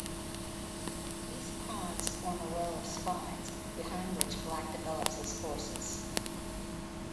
These pawns form a row of "spines" behind which Black develops his forces.